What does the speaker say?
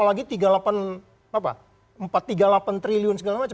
jadi jangan dianggap apalagi tiga puluh delapan apa empat ratus tiga puluh delapan triliun segala macem